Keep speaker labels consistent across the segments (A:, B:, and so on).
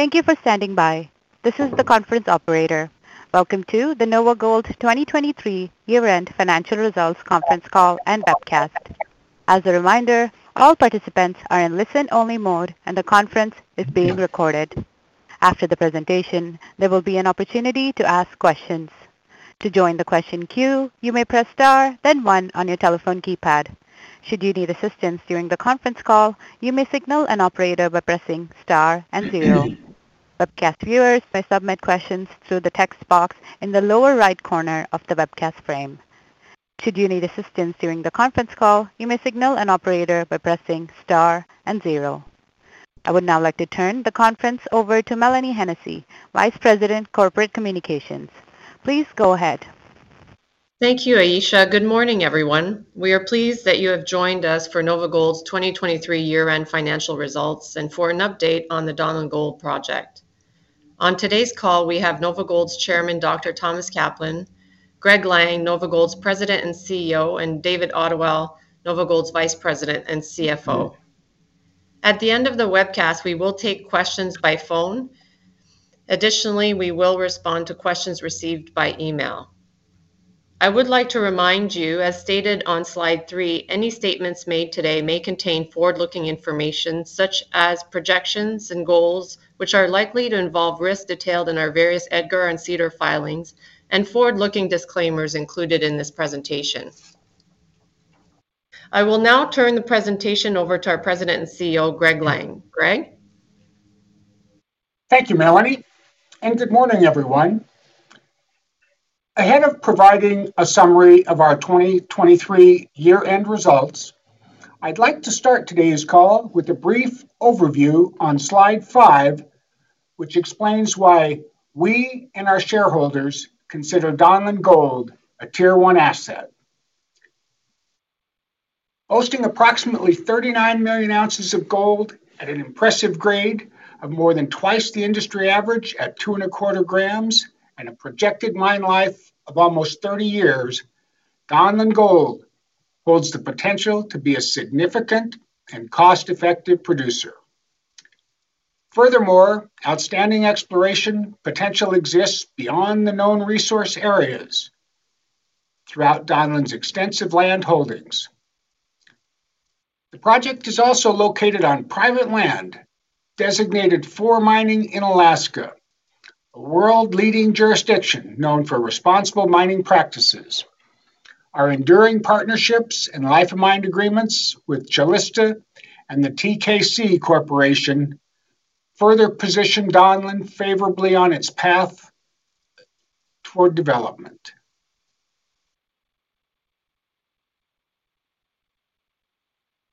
A: Thank you for standing by. This is the conference operator. Welcome to the NovaGold 2023 year-end financial results conference call and webcast. As a reminder, all participants are in listen-only mode, and the conference is being recorded. After the presentation, there will be an opportunity to ask questions. To join the question queue, you may press star then one on your telephone keypad. Should you need assistance during the conference call, you may signal an operator by pressing star and zero. Webcast viewers may submit questions through the text box in the lower right corner of the webcast frame. Should you need assistance during the conference call, you may signal an operator by pressing star and zero. I would now like to turn the conference over to Mélanie Hennessey, Vice President, Corporate Communications. Please go ahead.
B: Thank you, Aisha. Good morning, everyone. We are pleased that you have joined us for NovaGold's 2023 year-end financial results, and for an update on the Donlin Gold project. On today's call, we have NovaGold's chairman, Dr. Thomas Kaplan, Greg Lang, NovaGold's President and CEO, and David Ottewell, NovaGold's Vice President and CFO. At the end of the webcast, we will take questions by phone. Additionally, we will respond to questions received by email. I would like to remind you, as stated on slide 3, any statements made today may contain forward-looking information, such as projections and goals, which are likely to involve risks detailed in our various EDGAR and SEDAR filings and forward-looking disclaimers included in this presentation. I will now turn the presentation over to our President and CEO, Greg Lang. Greg?
C: Thank you, Melanie, and good morning, everyone. Ahead of providing a summary of our 2023 year-end results, I'd like to start today's call with a brief overview on slide 5, which explains why we and our shareholders consider Donlin Gold a Tier One asset. Hosting approximately 39 million oz of gold at an impressive grade of more than twice the industry average at 2.25 g, and a projected mine life of almost 30 years, Donlin Gold holds the potential to be a significant and cost-effective producer. Furthermore, outstanding exploration potential exists beyond the known resource areas throughout Donlin's extensive land holdings. The project is also located on private land, designated for mining in Alaska, a world-leading jurisdiction known for responsible mining practices. Our enduring partnerships and life of mine agreements with Calista and the TKC Corporation further position Donlin favorably on its path toward development.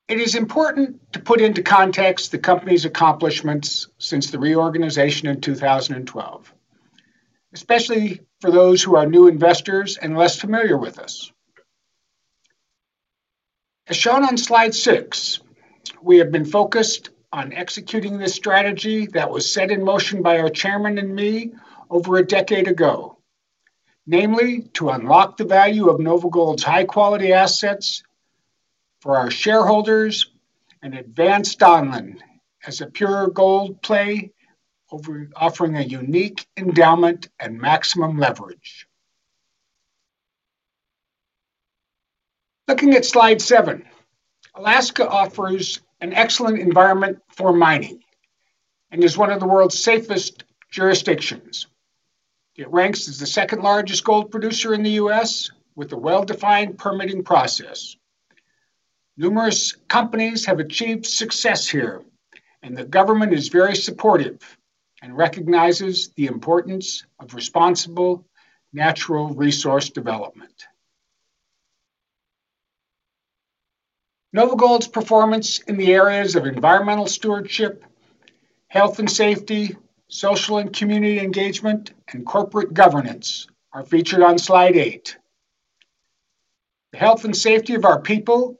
C: It is important to put into context the company's accomplishments since the reorganization in 2012, especially for those who are new investors and less familiar with us. As shown on slide 6, we have been focused on executing this strategy that was set in motion by our chairman and me over a decade ago. Namely, to unlock the value of NovaGold's high-quality assets for our shareholders and advance Donlin as a pure gold play over offering a unique endowment and maximum leverage. Looking at slide 7, Alaska offers an excellent environment for mining and is one of the world's safest jurisdictions. It ranks as the second-largest gold producer in the U.S., with a well-defined permitting process. Numerous companies have achieved success here, and the government is very supportive and recognizes the importance of responsible natural resource development. NovaGold's performance in the areas of environmental stewardship, health and safety, social and community engagement, and corporate governance are featured on slide 8. The health and safety of our people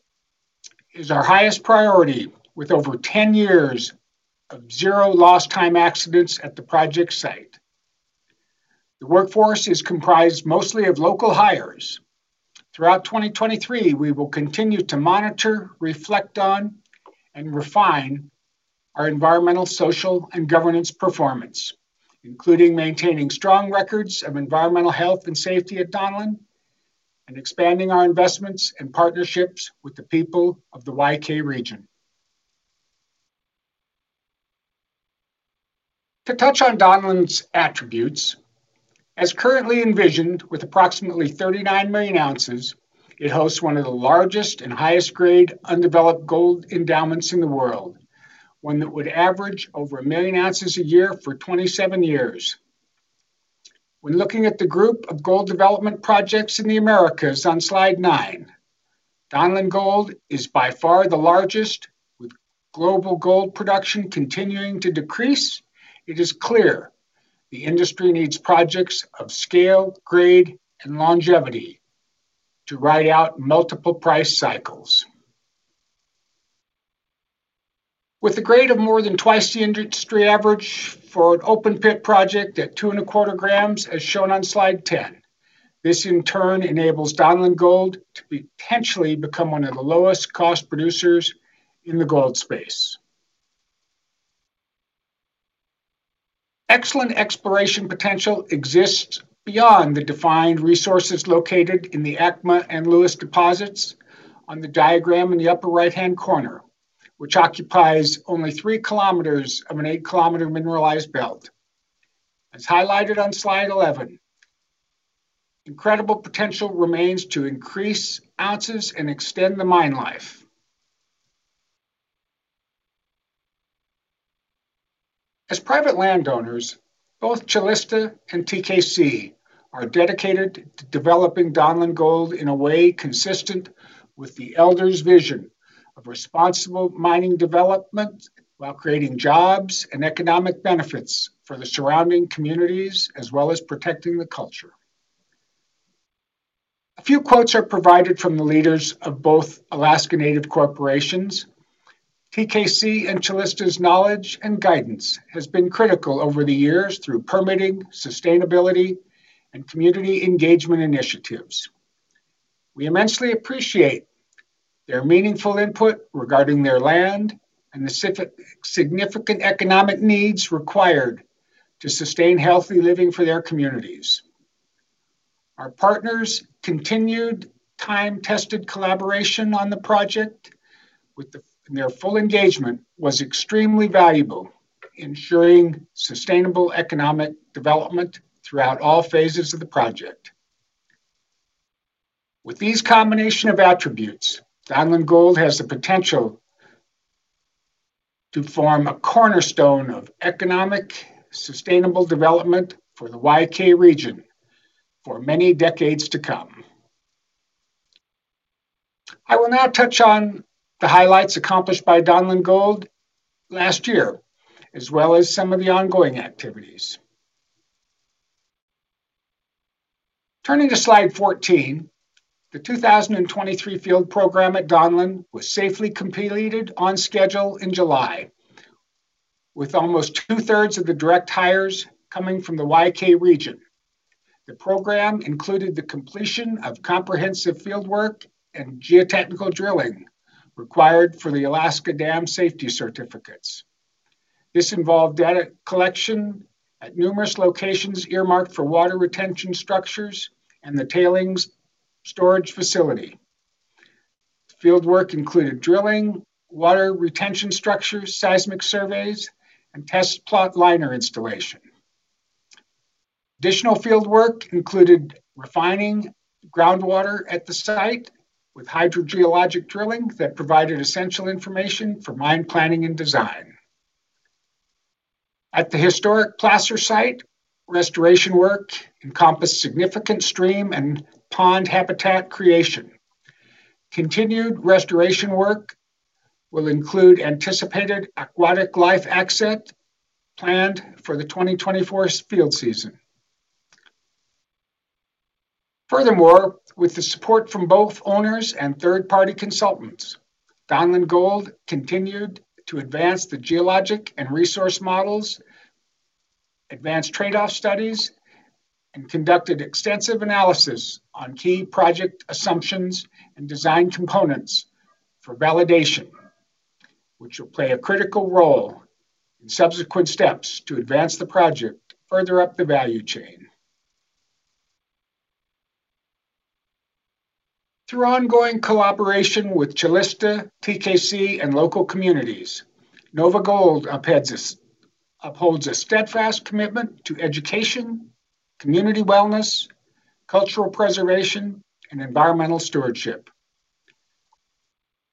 C: is our highest priority, with over 10 years of zero lost time accidents at the project site. The workforce is comprised mostly of local hires. Throughout 2023, we will continue to monitor, reflect on, and refine our environmental, social, and governance performance, including maintaining strong records of environmental health and safety at Donlin and expanding our investments and partnerships with the people of the Y-K region. To touch on Donlin's attributes, as currently envisioned, with approximately 39 million oz, it hosts one of the largest and highest grade undeveloped gold endowments in the world, one that would average over 1 million oz a year for 27 years. When looking at the group of gold development projects in the Americas on slide 9, Donlin Gold is by far the largest. With global gold production continuing to decrease, it is clear the industry needs projects of scale, grade, and longevity to ride out multiple price cycles. With a grade of more than twice the industry average for an open-pit project at 2.25 g, as shown on slide 10... This in turn enables Donlin Gold to potentially become one of the lowest cost producers in the gold space. Excellent exploration potential exists beyond the defined resources located in the Acma and Lewis deposits on the diagram in the upper right-hand corner, which occupies only 3 km of an 8-km mineralized belt. As highlighted on slide 11, incredible potential remains to increase ounces and extend the mine life. As private landowners, both Calista and TKC are dedicated to developing Donlin Gold in a way consistent with the elders' vision of responsible mining development, while creating jobs and economic benefits for the surrounding communities, as well as protecting the culture. A few quotes are provided from the leaders of both Alaska Native Corporations. TKC and Calista's knowledge and guidance has been critical over the years through permitting, sustainability, and community engagement initiatives. We immensely appreciate their meaningful input regarding their land and the significant economic needs required to sustain healthy living for their communities. Our partners' continued time-tested collaboration on the project, their full engagement was extremely valuable in ensuring sustainable economic development throughout all phases of the project. With these combination of attributes, Donlin Gold has the potential to form a cornerstone of economic, sustainable development for the Y-K region for many decades to come. I will now touch on the highlights accomplished by Donlin Gold last year, as well as some of the ongoing activities. Turning to slide 14, the 2023 field program at Donlin was safely completed on schedule in July, with almost 2/3 of the direct hires coming from the Y-K region. The program included the completion of comprehensive field work and geotechnical drilling required for the Alaska Dam Safety certificates. This involved data collection at numerous locations earmarked for water retention structures and the tailings storage facility. Fieldwork included drilling, water retention structures, seismic surveys, and test plot liner installation. Additional field work included refining groundwater at the site with hydrogeologic drilling that provided essential information for mine planning and design. At the historic placer site, restoration work encompassed significant stream and pond habitat creation. Continued restoration work will include anticipated aquatic life exit planned for the 2024 field season. Furthermore, with the support from both owners and third-party consultants, Donlin Gold continued to advance the geologic and resource models, advanced trade-off studies, and conducted extensive analysis on key project assumptions and design components for validation, which will play a critical role in subsequent steps to advance the project further up the value chain. Through ongoing collaboration with Calista, TKC, and local communities, NovaGold upholds a steadfast commitment to education, community wellness, cultural preservation, and environmental stewardship.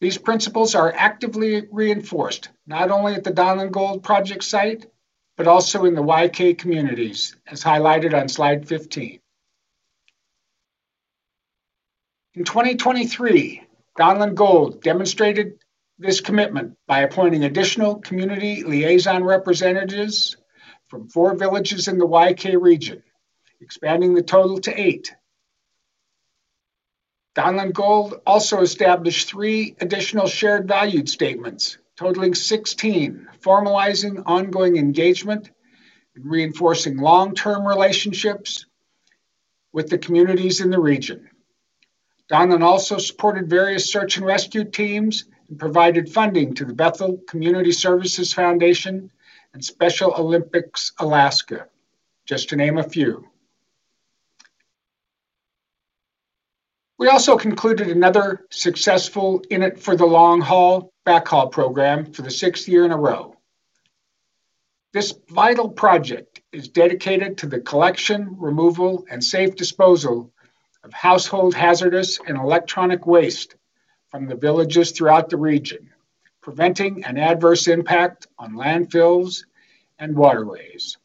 C: These principles are actively reinforced not only at the Donlin Gold Project site, but also in the YK communities, as highlighted on slide 15. In 2023, Donlin Gold demonstrated this commitment by appointing additional community liaison representatives from four villages in the Y-K region, expanding the total to eight. Donlin Gold also established three additional shared value statements, totaling 16, formalizing ongoing engagement and reinforcing long-term relationships with the communities in the region. Donlin also supported various search and rescue teams and provided funding to the Bethel Community Services Foundation and Special Olympics Alaska, just to name a few. We also concluded another successful In It for the Long Haul backhaul program for the sixth year in a row. This vital project is dedicated to the collection, removal, and safe disposal of household hazardous and electronic waste from the villages throughout the region, preventing an adverse impact on landfills and waterways.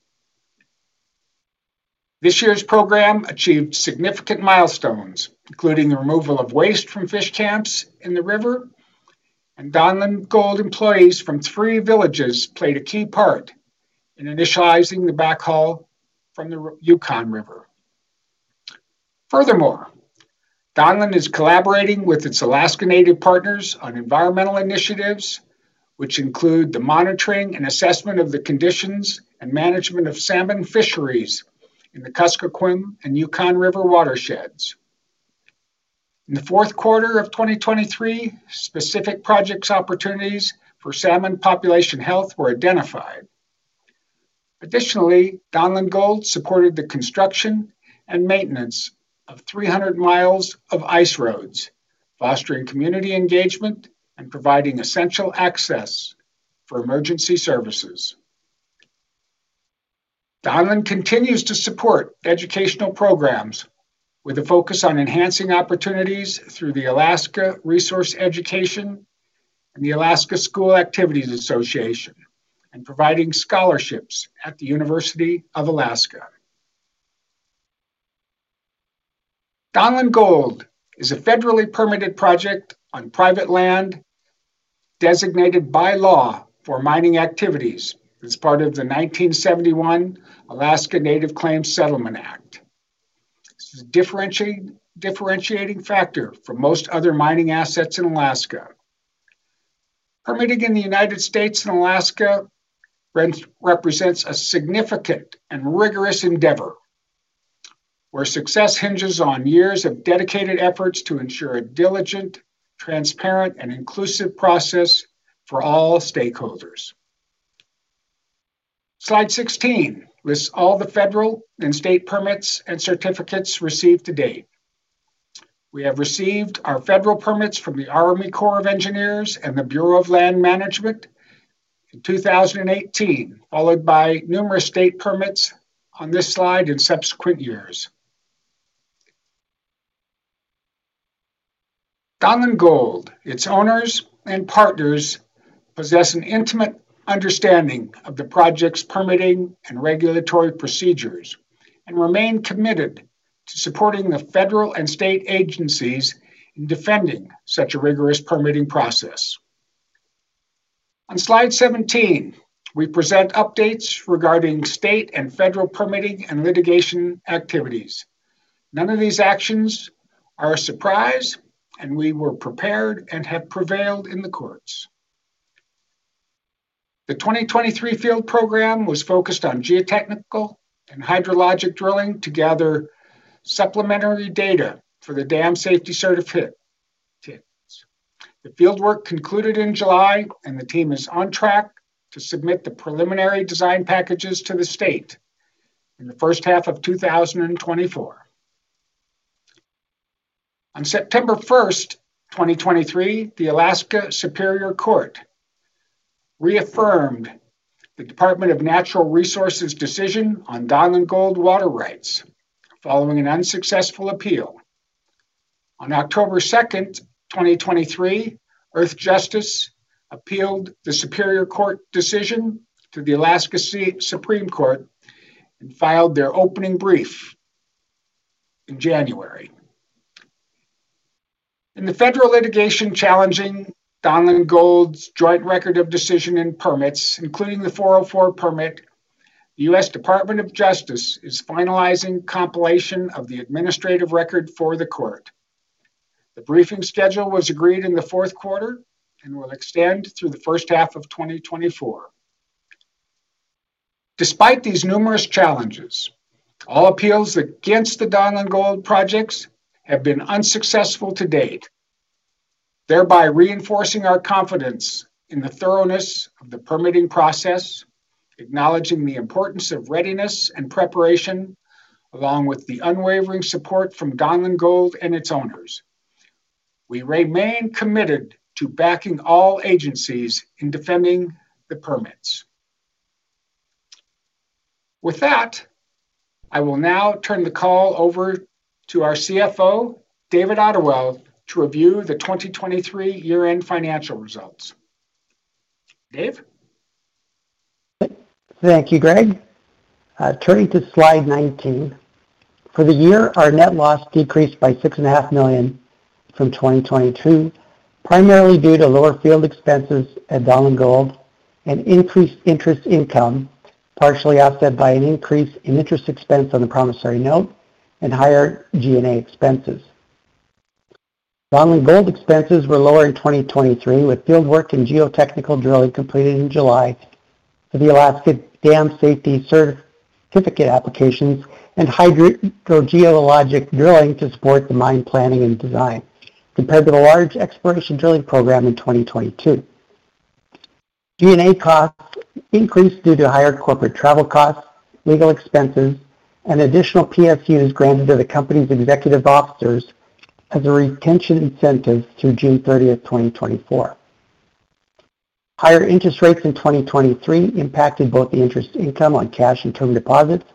C: This year's program achieved significant milestones, including the removal of waste from fish camps in the river, and Donlin Gold employees from three villages played a key part in initializing the backhaul from the Yukon River. Furthermore-... Donlin is collaborating with its Alaska Native partners on environmental initiatives, which include the monitoring and assessment of the conditions and management of salmon fisheries in the Kuskokwim and Yukon River watersheds. In the fourth quarter of 2023, specific projects opportunities for salmon population health were identified. Additionally, Donlin Gold supported the construction and maintenance of 300 mi of ice roads, fostering community engagement and providing essential access for emergency services. Donlin continues to support educational programs with a focus on enhancing opportunities through the Alaska Resource Education and the Alaska School Activities Association, and providing scholarships at the University of Alaska. Donlin Gold is a federally permitted project on private land, designated by law for mining activities as part of the 1971 Alaska Native Claims Settlement Act. This is a differentiating factor for most other mining assets in Alaska. Permitting in the United States and Alaska represents a significant and rigorous endeavor, where success hinges on years of dedicated efforts to ensure a diligent, transparent, and inclusive process for all stakeholders. Slide 16 lists all the federal and state permits and certificates received to date. We have received our federal permits from the Army Corps of Engineers and the Bureau of Land Management in 2018, followed by numerous state permits on this slide in subsequent years. Donlin Gold, its owners and partners, possess an intimate understanding of the project's permitting and regulatory procedures, and remain committed to supporting the federal and state agencies in defending such a rigorous permitting process. On slide 17, we present updates regarding state and federal permitting and litigation activities. None of these actions are a surprise, and we were prepared and have prevailed in the courts. The 2023 field program was focused on geotechnical and hydrogeologic drilling to gather supplementary data for the Dam Safety Certificate. The fieldwork concluded in July, and the team is on track to submit the preliminary design packages to the state in the first half of 2024. On September 1, 2023, the Alaska Superior Court reaffirmed the Department of Natural Resources' decision on Donlin Gold water rights, following an unsuccessful appeal. On October 2, 2023, Earthjustice appealed the Superior Court decision to the Alaska Supreme Court and filed their opening brief in January. In the federal litigation challenging Donlin Gold's Joint Record of Decision and permits, including the 404 permit, the U.S. Department of Justice is finalizing compilation of the administrative record for the court. The briefing schedule was agreed in the fourth quarter and will extend through the first half of 2024. Despite these numerous challenges, all appeals against the Donlin Gold projects have been unsuccessful to date, thereby reinforcing our confidence in the thoroughness of the permitting process, acknowledging the importance of readiness and preparation, along with the unwavering support from Donlin Gold and its owners. We remain committed to backing all agencies in defending the permits. With that, I will now turn the call over to our CFO, David Ottewell, to review the 2023 year-end financial results. Dave?
D: Thank you, Greg. Turning to slide 19. For the year, our net loss decreased by $6.5 million from 2022, primarily due to lower field expenses at Donlin Gold and increased interest income, partially offset by an increase in interest expense on the promissory note and higher G&A expenses. Donlin Gold expenses were lower in 2023, with fieldwork and geotechnical drilling completed in July for the Alaska Dam Safety Certificate applications and hydrogeologic drilling to support the mine planning and design, compared to the large exploration drilling program in 2022. G&A costs increased due to higher corporate travel costs, legal expenses, and additional PSUs granted to the company's executive officers as a retention incentive through June 30, 2024. Higher interest rates in 2023 impacted both the interest income on cash and term deposits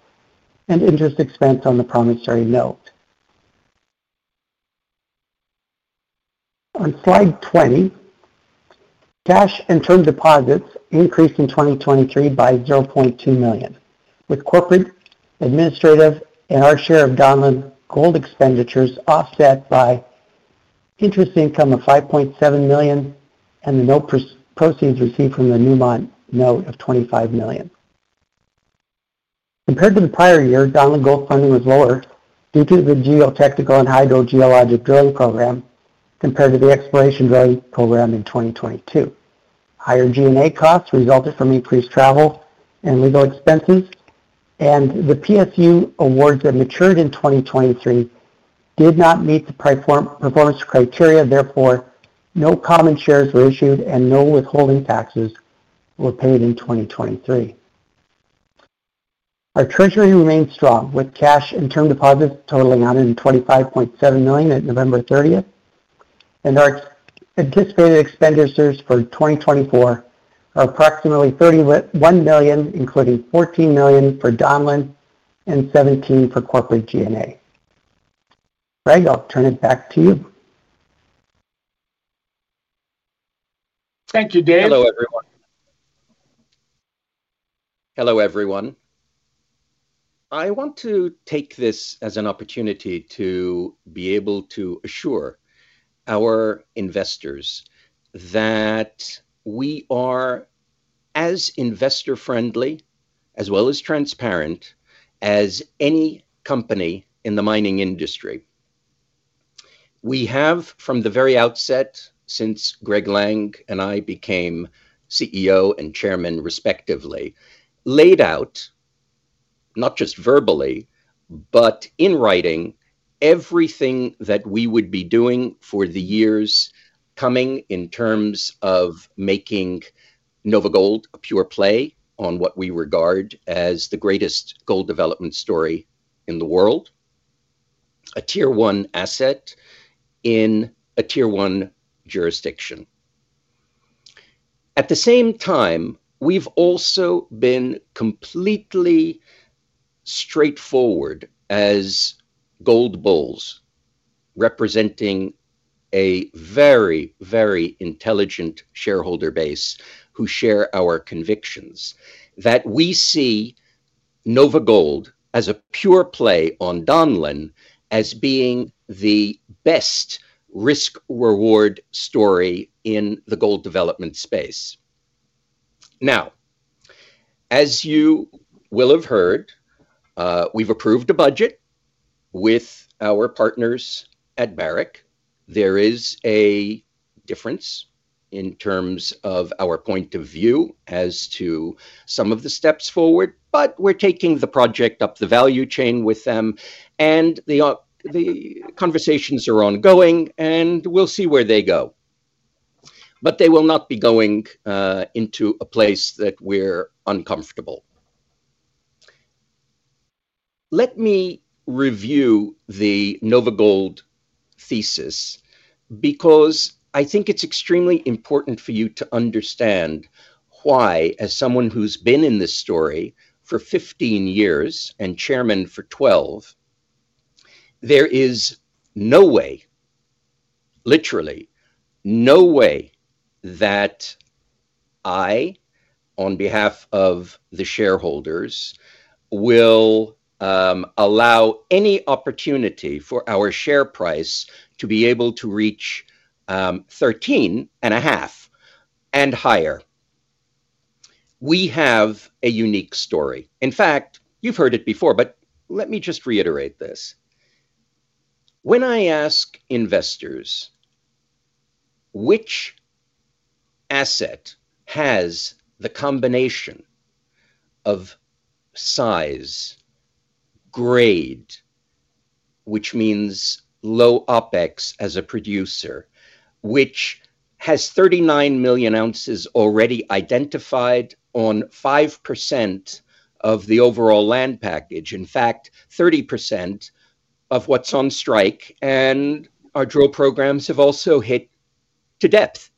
D: and interest expense on the promissory note. On slide 20, cash and term deposits increased in 2023 by $0.2 million, with corporate, administrative, and our share of Donlin Gold expenditures offset by interest income of $5.7 million and the note proceeds received from the Newmont note of $25 million. Compared to the prior year, Donlin Gold funding was lower due to the geotechnical and hydrogeologic drilling program, compared to the exploration drilling program in 2022. Higher G&A costs resulted from increased travel and legal expenses, and the PSU awards that matured in 2023 did not meet the performance criteria, therefore, no common shares were issued and no withholding taxes were paid in 2023. Our treasury remains strong, with cash and term deposits totaling $125.7 million at November 30, and our anticipated expenditures for 2024 are approximately $31 million, including $14 million for Donlin and $17 million for corporate G&A. Greg, I'll turn it back to you.
C: Thank you, Dave.
E: Hello, everyone. Hello, everyone. I want to take this as an opportunity to be able to assure our investors that we are as investor-friendly, as well as transparent as any company in the mining industry. We have, from the very outset, since Greg Lang and I became CEO and chairman respectively, laid out, not just verbally, but in writing, everything that we would be doing for the years coming in terms of making NovaGold a pure play on what we regard as the greatest gold development story in the world, a Tier One asset in a Tier One jurisdiction. At the same time, we've also been completely straightforward as gold bulls, representing a very, very intelligent shareholder base who share our convictions, that we see NovaGold as a pure play on Donlin, as being the best risk-reward story in the gold development space. Now, as you will have heard, we've approved a budget with our partners at Barrick. There is a difference in terms of our point of view as to some of the steps forward, but we're taking the project up the value chain with them, and the conversations are ongoing, and we'll see where they go. But they will not be going into a place that we're uncomfortable. Let me review the NovaGold thesis, because I think it's extremely important for you to understand why, as someone who's been in this story for 15 years and chairman for 12, there is no way, literally no way, that I, on behalf of the shareholders, will allow any opportunity for our share price to be able to reach $13.5 and higher. We have a unique story. In fact, you've heard it before, but let me just reiterate this. When I ask investors which asset has the combination of size, grade, which means low OpEx as a producer, which has 39 million oz already identified on 5% of the overall land package, in fact, 30% of what's on strike, and our drill programs have also hit to depth.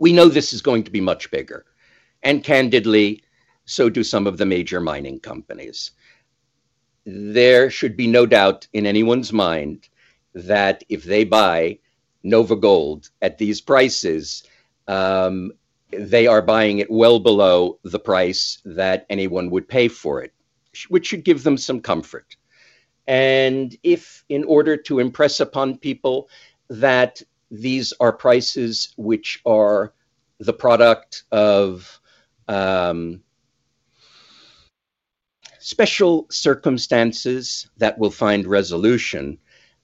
E: We know this is going to be much bigger, and candidly, so do some of the major mining companies. There should be no doubt in anyone's mind that if they buy NovaGold at these prices, they are buying it well below the price that anyone would pay for it, which should give them some comfort. If in order to impress upon people that these are prices which are the product of special circumstances that will find resolution,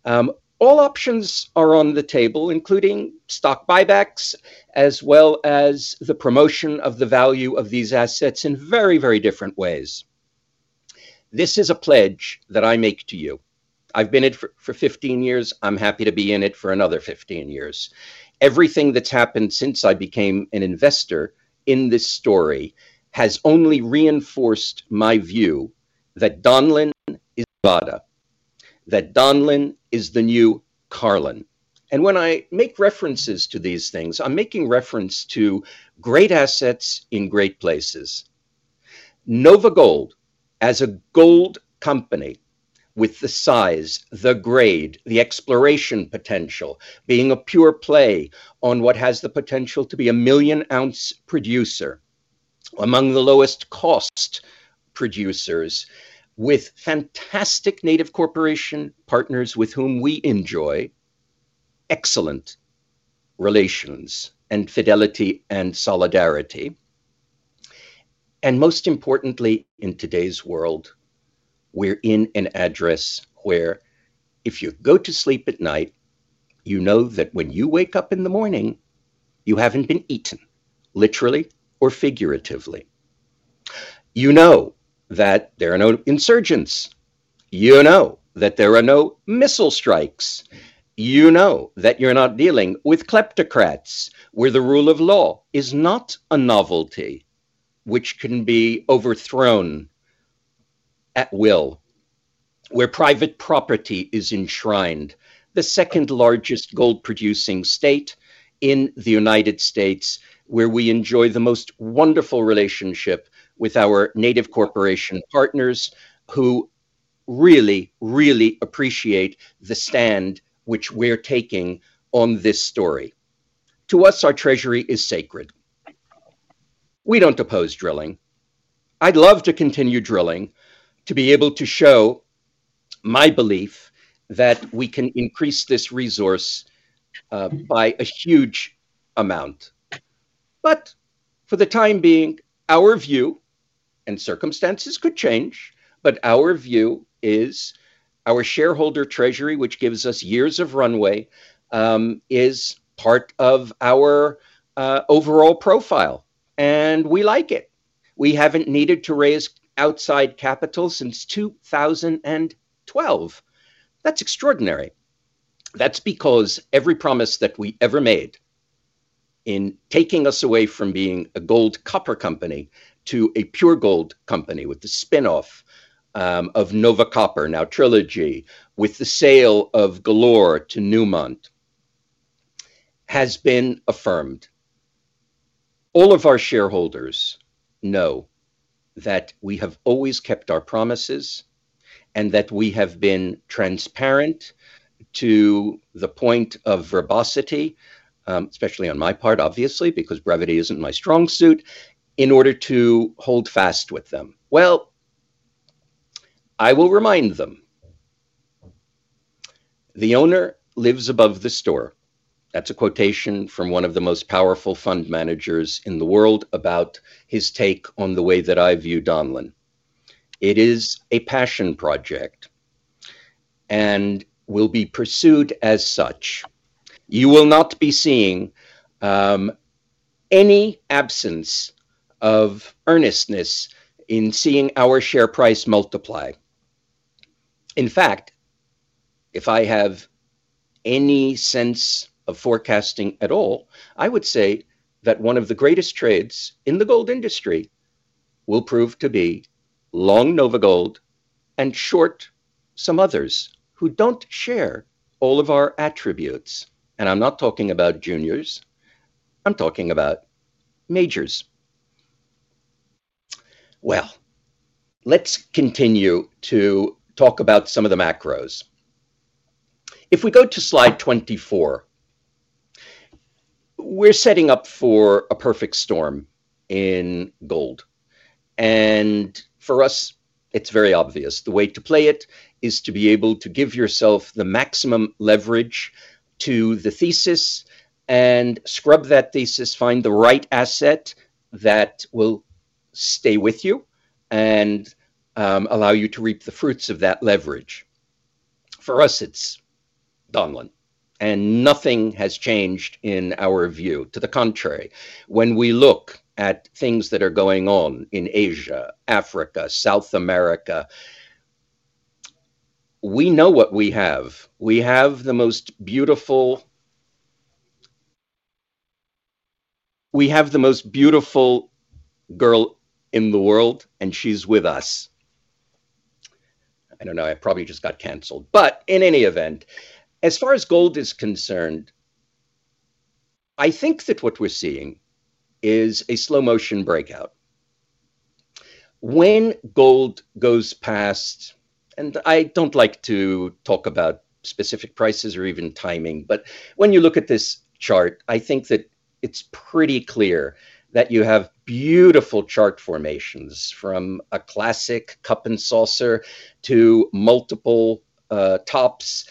E: all options are on the table, including stock buybacks, as well as the promotion of the value of these assets in very, very different ways. This is a pledge that I make to you. I've been in it for 15 years. I'm happy to be in it for another 15 years. Everything that's happened since I became an investor in this story has only reinforced my view that Donlin is Nevada, that Donlin is the new Carlin. And when I make references to these things, I'm making reference to great assets in great places. NovaGold, as a gold company with the size, the grade, the exploration potential, being a pure play on what has the potential to be a million-ounce producer, among the lowest cost producers, with fantastic Native corporation partners with whom we enjoy excellent relations and fidelity and solidarity. Most importantly, in today's world, we're in an address where if you go to sleep at night, you know that when you wake up in the morning, you haven't been eaten, literally or figuratively. You know that there are no insurgents, you know that there are no missile strikes, you know that you're not dealing with kleptocrats, where the rule of law is not a novelty which can be overthrown at will, where private property is enshrined. The second-largest gold-producing state in the United States, where we enjoy the most wonderful relationship with our native corporation partners, who really, really appreciate the stand which we're taking on this story. To us, our treasury is sacred. We don't oppose drilling. I'd love to continue drilling, to be able to show my belief that we can increase this resource, by a huge amount. But for the time being, our view, and circumstances could change, but our view is our shareholder treasury, which gives us years of runway, is part of our, overall profile, and we like it. We haven't needed to raise outside capital since 2012. That's extraordinary. That's because every promise that we ever made in taking us away from being a gold copper company to a pure gold company with the spin-off of NovaCopper, now Trilogy, with the sale of Galore to Newmont, has been affirmed. All of our shareholders know that we have always kept our promises and that we have been transparent to the point of verbosity, especially on my part, obviously, because brevity isn't my strong suit, in order to hold fast with them. Well, I will remind them, "The owner lives above the store." That's a quotation from one of the most powerful fund managers in the world about his take on the way that I view Donlin. It is a passion project and will be pursued as such. You will not be seeing any absence of earnestness in seeing our share price multiply. In fact, if I have any sense of forecasting at all, I would say that one of the greatest trades in the gold industry will prove to be long NovaGold and short some others who don't share all of our attributes. I'm not talking about juniors, I'm talking about majors. Well, let's continue to talk about some of the macros. If we go to slide 24, we're setting up for a perfect storm in gold, and for us, it's very obvious. The way to play it is to be able to give yourself the maximum leverage to the thesis and scrub that thesis, find the right asset that will stay with you, and allow you to reap the fruits of that leverage. For us, it's Donlin, and nothing has changed in our view. To the contrary, when we look at things that are going on in Asia, Africa, South America, we know what we have. We have the most beautiful... We have the most beautiful girl in the world, and she's with us. I don't know, I probably just got canceled. But in any event, as far as gold is concerned, I think that what we're seeing is a slow-motion breakout. When gold goes past, and I don't like to talk about specific prices or even timing, but when you look at this chart, I think that it's pretty clear that you have beautiful chart formations, from a classic cup and saucer to multiple, tops.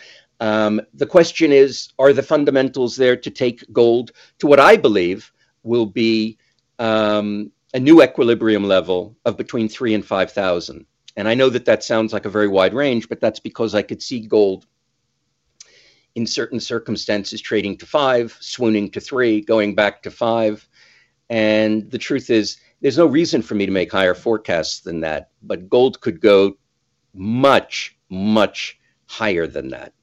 E: The question is: Are the fundamentals there to take gold to what I believe will be, a new equilibrium level of between $3,000-$5,000? I know that that sounds like a very wide range, but that's because I could see gold in certain circumstances, trading to $5,000, swooning to $3,000, going back to $5,000. The truth is, there's no reason for me to make higher forecasts than that, but gold could go much, much higher than that.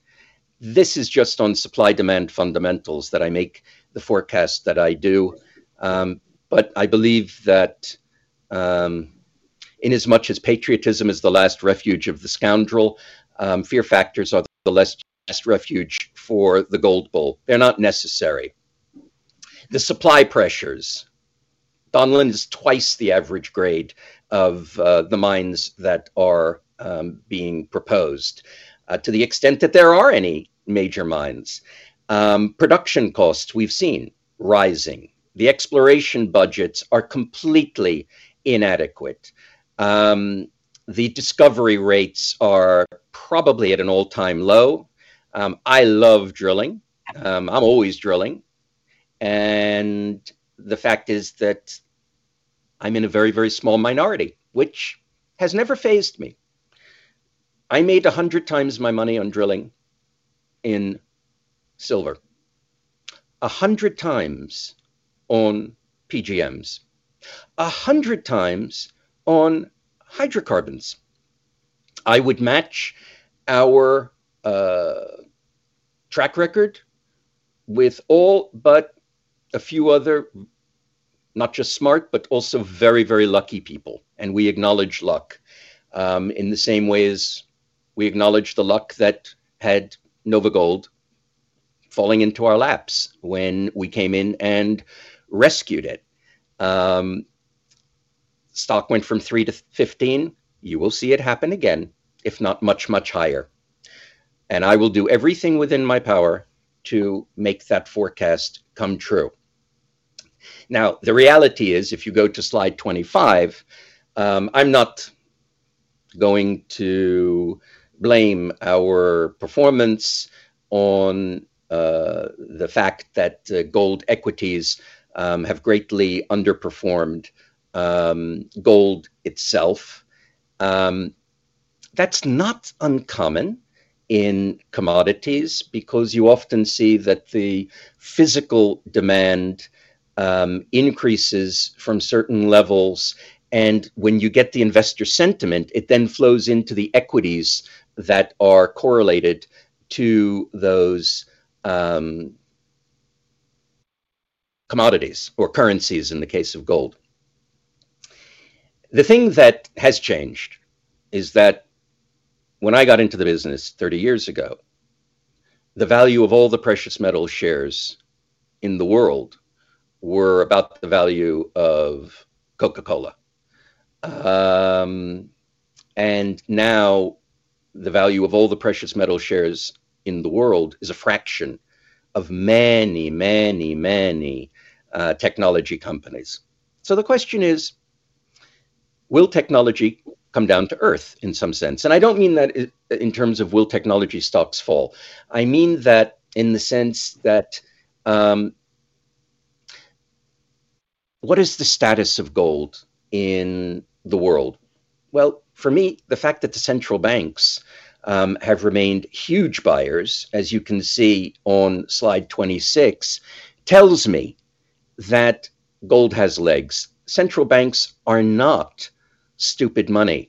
E: This is just on supply-demand fundamentals that I make the forecast that I do. But I believe that, in as much as patriotism is the last refuge of the scoundrel, fear factors are the last refuge for the gold bull. They're not necessary. The supply pressures, Donlin is twice the average grade of, the mines that are, being proposed, to the extent that there are any major mines. Production costs, we've seen rising. The exploration budgets are completely inadequate. the discovery rates are probably at an all-time low. I love drilling. I'm always drilling, and the fact is that I'm in a very, very small minority, which has never fazed me. I made 100 times my money on drilling in silver, 100x on PGMs, 100x on hydrocarbons. I would match our track record with all but a few other, not just smart, but also very, very lucky people, and we acknowledge luck, in the same way as we acknowledge the luck that had NovaGold falling into our laps when we came in and rescued it. Stock went from three to 15. You will see it happen again, if not much, much higher, and I will do everything within my power to make that forecast come true. Now, the reality is, if you go to slide 25, I'm not going to blame our performance on the fact that gold equities have greatly underperformed gold itself. That's not uncommon in commodities because you often see that the physical demand increases from certain levels, and when you get the investor sentiment, it then flows into the equities that are correlated to those commodities or currencies in the case of gold. The thing that has changed is that when I got into the business 30 years ago, the value of all the precious metal shares in the world were about the value of Coca-Cola. And now, the value of all the precious metal shares in the world is a fraction of many, many, many technology companies. So the question is: Will technology come down to earth in some sense? I don't mean that in terms of will technology stocks fall. I mean that in the sense that what is the status of gold in the world? Well, for me, the fact that the central banks have remained huge buyers, as you can see on slide 26, tells me that gold has legs. Central banks are not stupid money.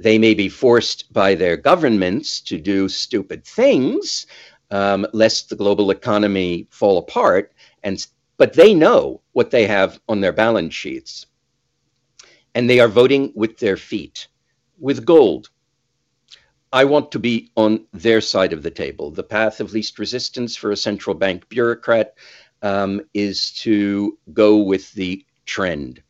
E: They may be forced by their governments to do stupid things, lest the global economy fall apart, but they know what they have on their balance sheets, and they are voting with their feet with gold. I want to be on their side of the table. The path of least resistance for a central bank bureaucrat is to go with the trend.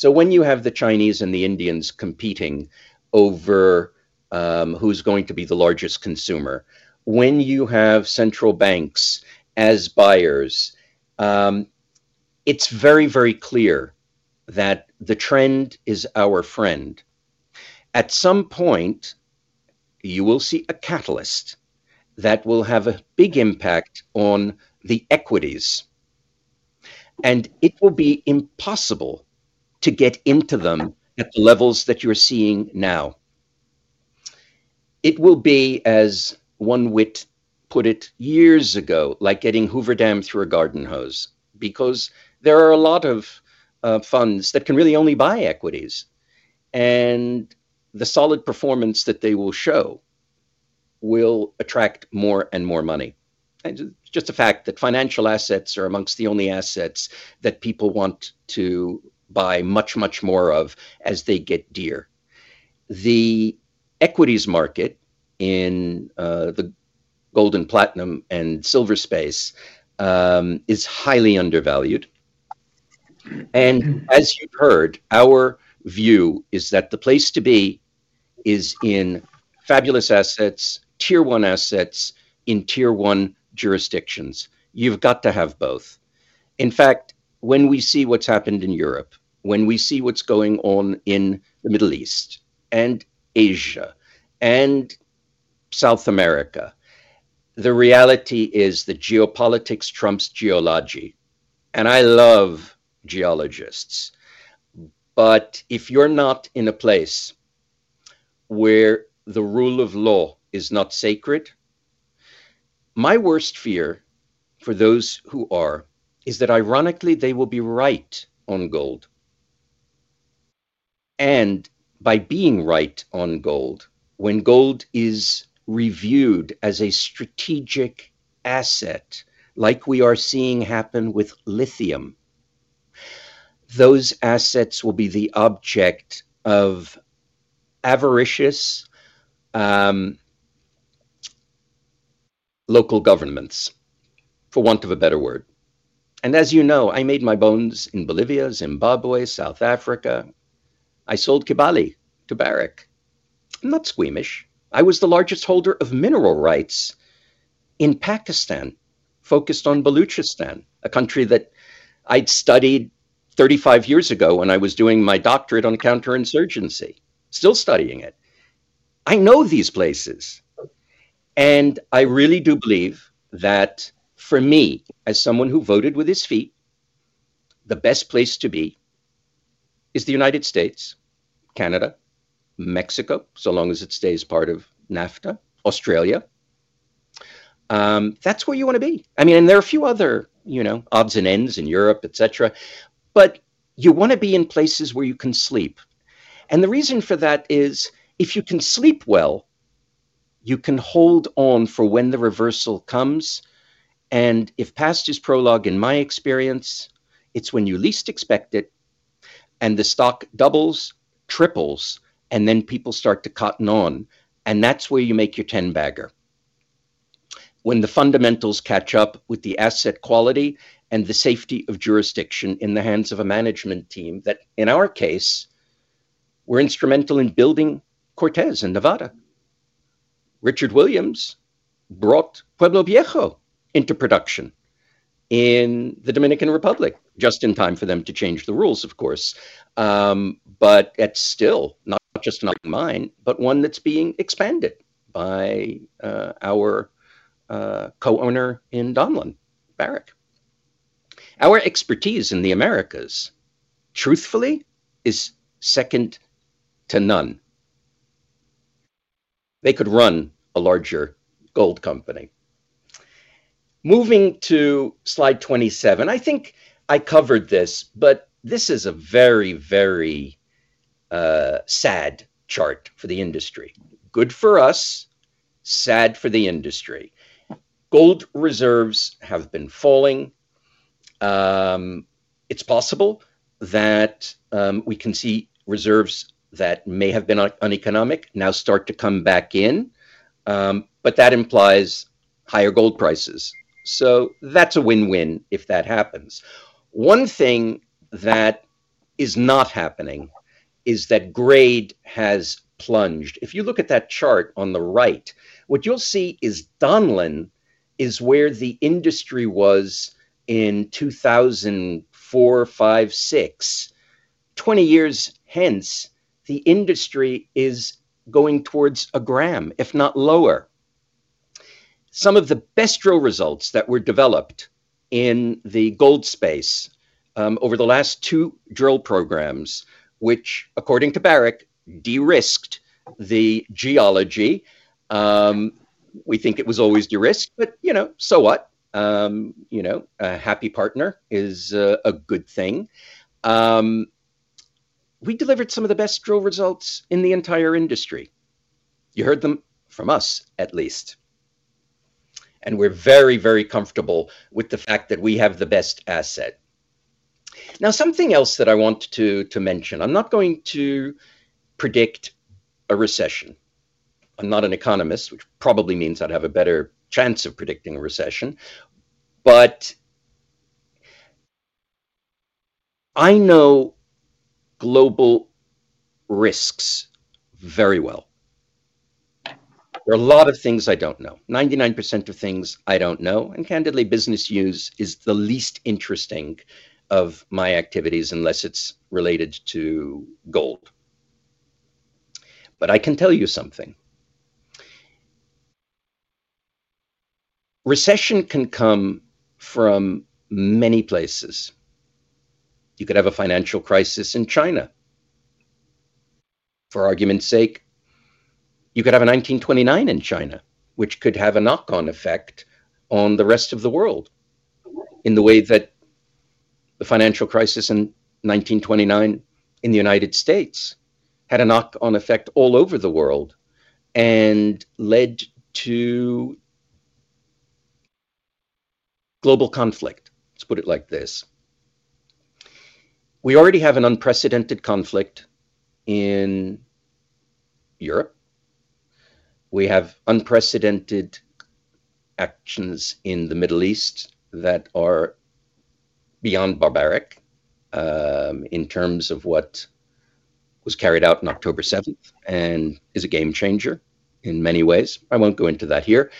E: So when you have the Chinese and the Indians competing over, who's going to be the largest consumer, when you have central banks as buyers, it's very, very clear that the trend is our friend. At some point, you will see a catalyst that will have a big impact on the equities, and it will be impossible to get into them at the levels that you're seeing now. It will be, as one wit put it years ago, "like getting Hoover Dam through a garden hose," because there are a lot of funds that can really only buy equities, and the solid performance that they will show will attract more and more money. And it's just a fact that financial assets are amongst the only assets that people want to buy much, much more of as they get dear. The equities market in the gold and platinum and silver space is highly undervalued. As you've heard, our view is that the place to be is in fabulous assets, Tier One assets in Tier One jurisdictions. You've got to have both. In fact, when we see what's happened in Europe, when we see what's going on in the Middle East and Asia and South America, the reality is that geopolitics trumps geology, and I love geologists. But if you're not in a place where the rule of law is not sacred, my worst fear for those who are, is that ironically, they will be right on gold. And by being right on gold, when gold is reviewed as a strategic asset, like we are seeing happen with lithium, those assets will be the object of avaricious local governments, for want of a better word. And as you know, I made my bones in Bolivia, Zimbabwe, South Africa. I sold Kibali to Barrick. I'm not squeamish. I was the largest holder of mineral rights in Pakistan focused on Balochistan, a country that I'd studied 35 years ago when I was doing my doctorate on counterinsurgency, still studying it. I know these places, and I really do believe that for me, as someone who voted with his feet, the best place to be is the United States, Canada, Mexico, so long as it stays part of NAFTA, Australia. That's where you wanna be. I mean, and there are a few other, you know, odds and ends in Europe, et cetera, but you wanna be in places where you can sleep. The reason for that is, if you can sleep well, you can hold on for when the reversal comes, and if past is prologue, in my experience, it's when you least expect it, and the stock doubles, triples, and then people start to cotton on, and that's where you make your ten-bagger. When the fundamentals catch up with the asset quality and the safety of jurisdiction in the hands of a management team that, in our case, were instrumental in building Cortez in Nevada. Richard Williams brought Pueblo Viejo into production in the Dominican Republic, just in time for them to change the rules, of course. But it's still not just not mine, but one that's being expanded by our co-owner in Donlin, Barrick. Our expertise in the Americas, truthfully, is second to none. They could run a larger gold company. Moving to slide 27, I think I covered this, but this is a very, very sad chart for the industry. Good for us, sad for the industry. Gold reserves have been falling. It's possible that we can see reserves that may have been uneconomic now start to come back in, but that implies higher gold prices. So that's a win-win if that happens. One thing that is not happening is that grade has plunged. If you look at that chart on the right, what you'll see is Donlin is where the industry was in 2004, 2005, 2006. 20 years hence, the industry is going towards a gram, if not lower. Some of the best drill results that were developed in the gold space over the last two drill programs, which according to Barrick, de-risked the geology. We think it was always de-risked, but, you know, so what? You know, a happy partner is a good thing. We delivered some of the best drill results in the entire industry. You heard them from us, at least. And we're very, very comfortable with the fact that we have the best asset. Now, something else that I want to mention, I'm not going to predict a recession. I'm not an economist, which probably means I'd have a better chance of predicting a recession, but I know global risks very well. There are a lot of things I don't know. 99% of things I don't know, and candidly, business use is the least interesting of my activities unless it's related to gold. But I can tell you something. Recession can come from many places. You could have a financial crisis in China. For argument's sake, you could have a 1929 in China, which could have a knock-on effect on the rest of the world, in the way that the financial crisis in 1929 in the United States had a knock-on effect all over the world and led to global conflict. Let's put it like this. We already have an unprecedented conflict in Europe. We have unprecedented actions in the Middle East that are beyond barbaric, in terms of what was carried out on October seventh, and is a game changer in many ways. I won't go into that here,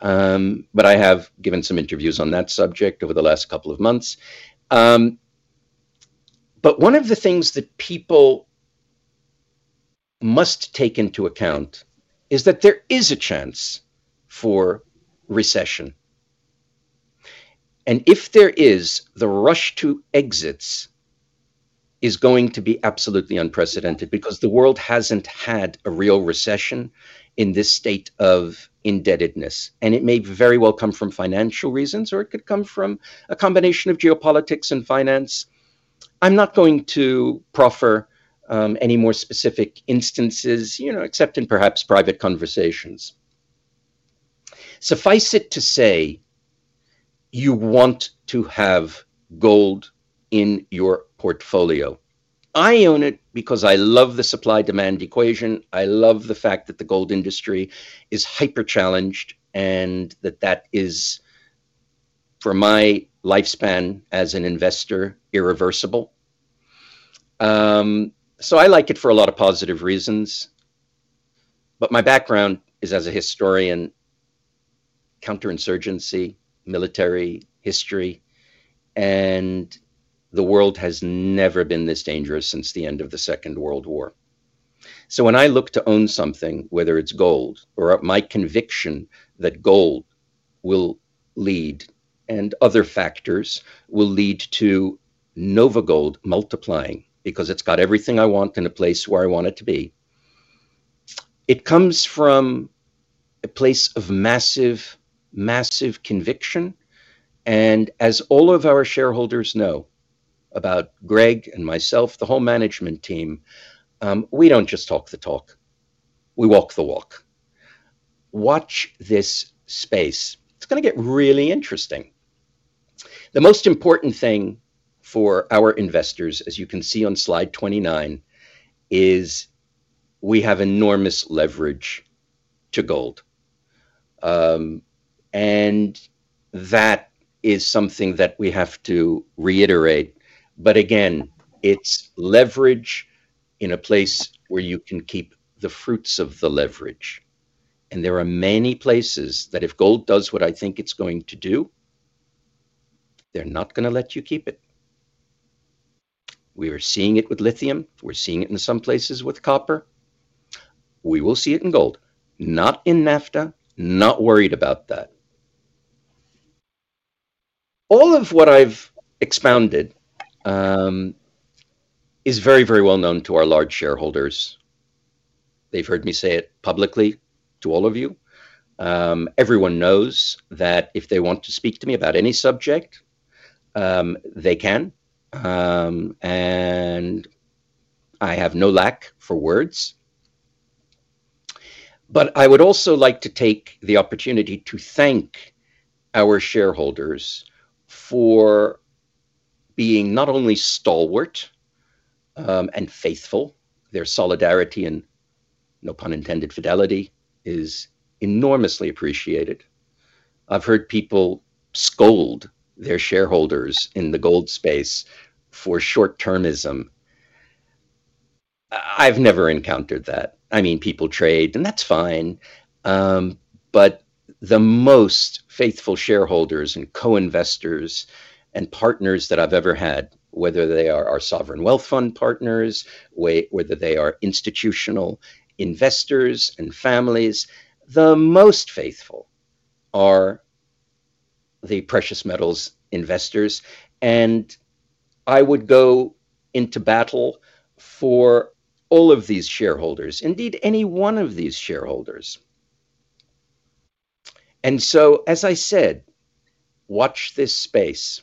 E: but I have given some interviews on that subject over the last couple of months. But one of the things that people must take into account is that there is a chance for recession, and if there is, the rush to exits is going to be absolutely unprecedented because the world hasn't had a real recession in this state of indebtedness, and it may very well come from financial reasons, or it could come from a combination of geopolitics and finance. I'm not going to proffer, any more specific instances, you know, except in perhaps private conversations. Suffice it to say, you want to have gold in your portfolio. I own it because I love the supply-demand equation. I love the fact that the gold industry is hyper-challenged and that that is, for my lifespan as an investor, irreversible. So I like it for a lot of positive reasons but my background is as a historian counterinsurgency military history and the world has never been this dangerous since the end of the Second World War. So when I look to own something, whether it's gold or my conviction that gold will lead, and other factors will lead to NovaGold multiplying, because it's got everything I want in a place where I want it to be. It comes from a place of massive, massive conviction, and as all of our shareholders know about Greg and myself, the whole management team, we don't just talk the talk, we walk the walk. Watch this space. It's gonna get really interesting. The most important thing for our investors, as you can see on slide 29, is we have enormous leverage to gold. That is something that we have to reiterate, but again, it's leverage in a place where you can keep the fruits of the leverage. There are many places that if gold does what I think it's going to do, they're not gonna let you keep it. We are seeing it with lithium, we're seeing it in some places with copper. We will see it in gold, not in NAFTA, not worried about that. All of what I've expounded is very, very well known to our large shareholders. They've heard me say it publicly to all of you. Everyone knows that if they want to speak to me about any subject, they can, and I have no lack for words. But I would also like to take the opportunity to thank our shareholders for being not only stalwart, and faithful, their solidarity, and no pun intended, fidelity is enormously appreciated. I've heard people scold their shareholders in the gold space for short-termism. I've never encountered that. I mean, people trade, and that's fine, but the most faithful shareholders and co-investors and partners that I've ever had, whether they are our sovereign wealth fund partners, whether they are institutional investors and families, the most faithful are the precious metals investors, and I would go into battle for all of these shareholders, indeed, any one of these shareholders. And so as I said, watch this space.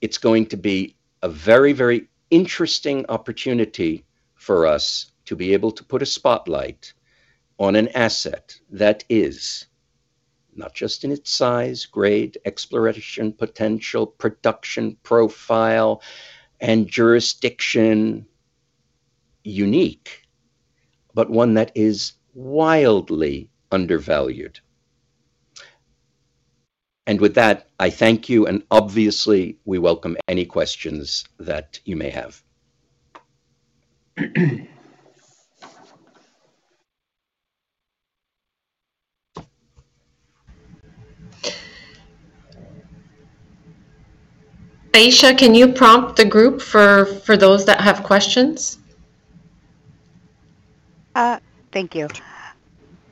E: It's going to be a very, very interesting opportunity for us to be able to put a spotlight on an asset that is not just in its size, grade, exploration, potential, production, profile, and jurisdiction unique, but one that is wildly undervalued. With that, I thank you, and obviously, we welcome any questions that you may have.
B: Aisha, can you prompt the group for those that have questions?
A: Thank you.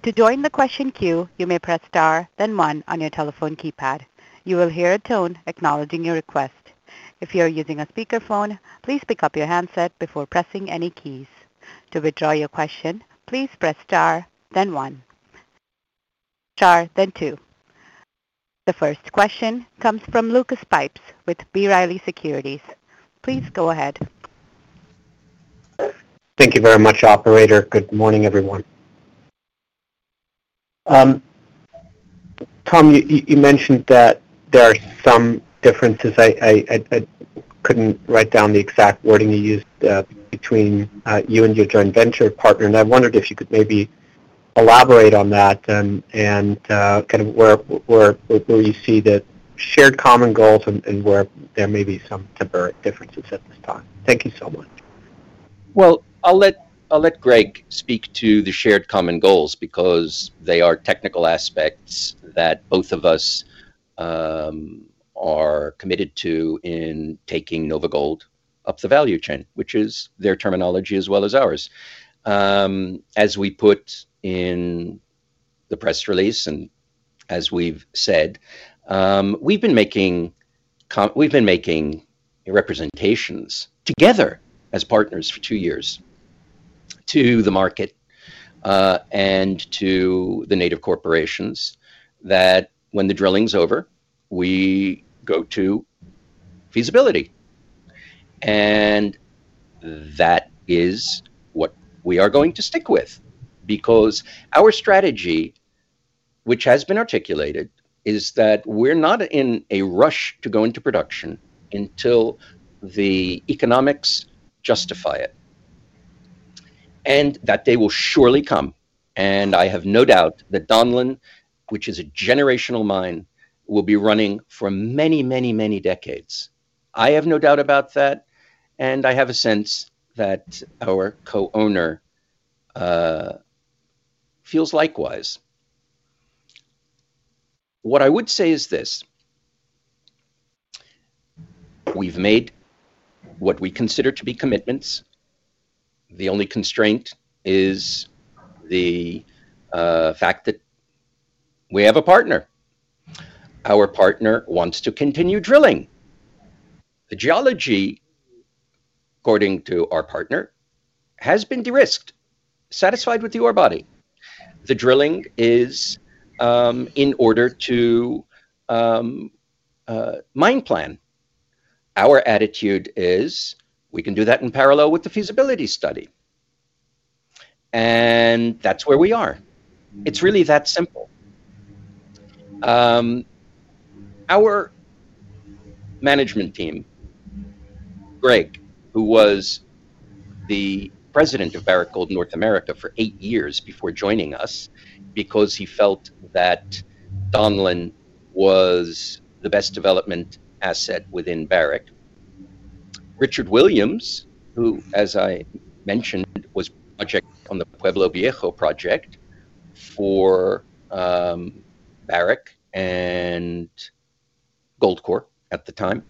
A: To join the question queue, you may press star, then one on your telephone keypad. You will hear a tone acknowledging your request. If you are using a speakerphone, please pick up your handset before pressing any keys. To withdraw your question, please press star, then one, star, then two. The first question comes from Lucas Pipes with B. Riley Securities. Please go ahead.
F: Thank you very much, operator. Good morning, everyone. Tom, you mentioned that there are some differences. I couldn't write down the exact wording you used, between you and your joint venture partner, and I wondered if you could maybe elaborate on that and kind of where you see the shared common goals and where there may be some temporary differences at this time. Thank you so much.
E: Well, I'll let, I'll let Greg speak to the shared common goals because they are technical aspects that both of us are committed to in taking NOVAGOLD up the value chain, which is their terminology as well as ours. As we put in the press release and as we've said, we've been making representations together as partners for two years to the market, and to the native corporations, that when the drilling is over, we go to feasibility. And that is what we are going to stick with, because our strategy, which has been articulated, is that we're not in a rush to go into production until the economics justify it... and that day will surely come, and I have no doubt that Donlin, which is a generational mine, will be running for many, many, many decades. I have no doubt about that, and I have a sense that our co-owner feels likewise. What I would say is this: We've made what we consider to be commitments. The only constraint is the fact that we have a partner. Our partner wants to continue drilling. The geology, according to our partner, has been de-risked, satisfied with the ore body. The drilling is in order to mine plan. Our attitude is, we can do that in parallel with the feasibility study, and that's where we are. It's really that simple. Our management team, Greg, who was the president of Barrick Gold, North America for eight years before joining us, because he felt that Donlin was the best development asset within Barrick. Richard Williams, who, as I mentioned, was project on the Pueblo Viejo project for, Barrick and Goldcorp at the time,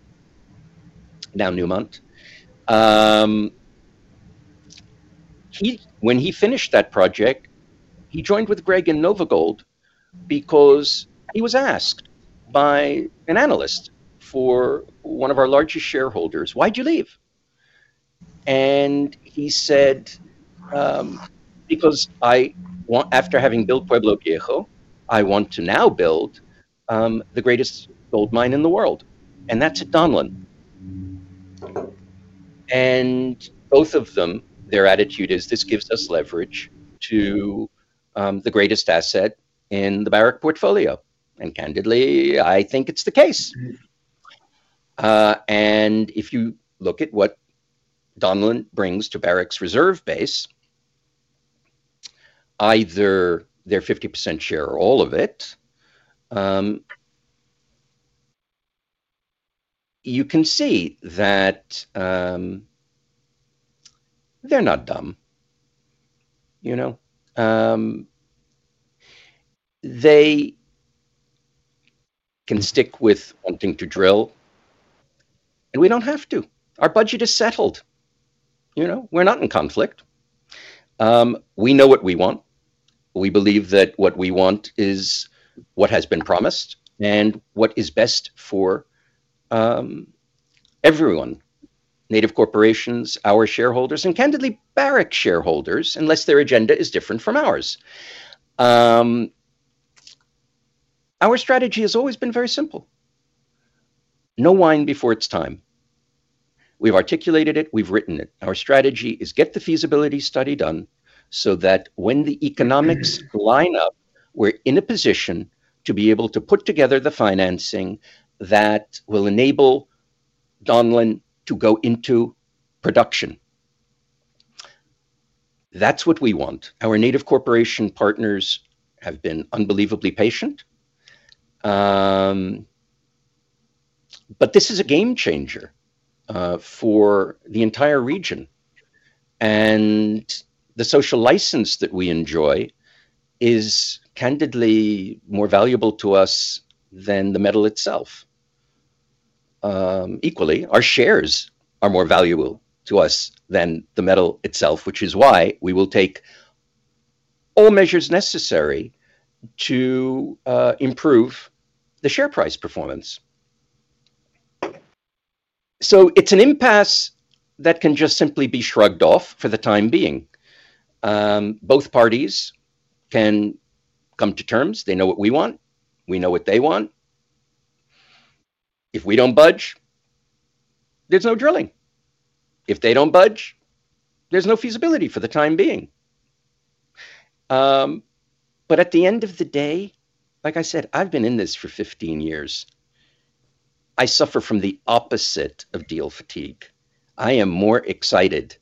E: now Newmont. When he finished that project, he joined with Greg in NOVAGOLD because he was asked by an analyst for one of our largest shareholders, "Why'd you leave?" And he said, "Because I want after having built Pueblo Viejo, I want to now build the greatest gold mine in the world," and that's at Donlin. And both of them, their attitude is, "This gives us leverage to the greatest asset in the Barrick portfolio," and candidly, I think it's the case. And if you look at what Donlin brings to Barrick's reserve base, either their 50% share or all of it, you can see that, they're not dumb, you know? They can stick with wanting to drill, and we don't have to. Our budget is settled, you know? We're not in conflict. We know what we want. We believe that what we want is what has been promised and what is best for everyone, native corporations, our shareholders, and candidly, Barrick shareholders, unless their agenda is different from ours. Our strategy has always been very simple: no wine before it's time. We've articulated it. We've written it. Our strategy is get the feasibility study done, so that when the economics line up, we're in a position to be able to put together the financing that will enable Donlin to go into production. That's what we want. Our native corporation partners have been unbelievably patient. But this is a game changer for the entire region, and the social license that we enjoy is candidly more valuable to us than the metal itself. Equally, our shares are more valuable to us than the metal itself, which is why we will take all measures necessary to improve the share price performance. So it's an impasse that can just simply be shrugged off for the time being. Both parties can come to terms. They know what we want. We know what they want. If we don't budge, there's no drilling. If they don't budge, there's no feasibility for the time being. But at the end of the day, like I said, I've been in this for 15 years. I suffer from the opposite of deal fatigue. I am more excited,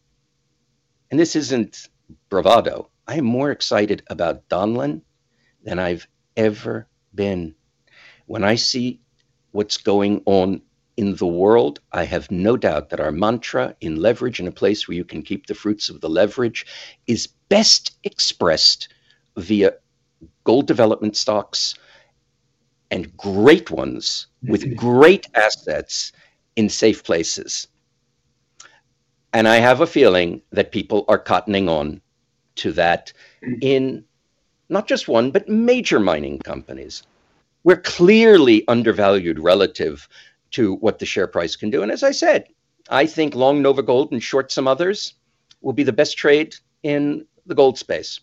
E: and this isn't bravado. I am more excited about Donlin than I've ever been. When I see what's going on in the world, I have no doubt that our mantra in leverage, in a place where you can keep the fruits of the leverage, is best expressed via gold development stocks and great ones with great assets in safe places. And I have a feeling that people are cottoning on to that in not just one, but major mining companies. We're clearly undervalued relative to what the share price can do, and as I said, I think long NovaGold and short some others will be the best trade in the gold space.